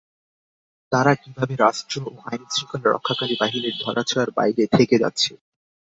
তারা কীভাবে রাষ্ট্র ও আইনশৃঙ্খলা রক্ষাকারী বাহিনীর ধরাছোঁয়ার বাইরে থেকে যাচ্ছে?